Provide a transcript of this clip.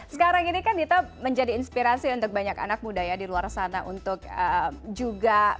sekarang ini kan dita menjadi inspirasi untuk banyak anak muda ya di luar sana untuk juga